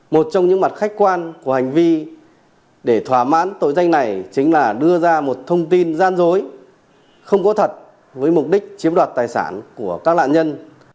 một trong những mặt khách quan của hành vi để thỏa mãn tội danh này chính là đưa ra một thông tin gian dối không có thật với mục đích chiếm đoạt tài sản của các lạ nhân